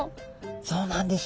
そうなんです。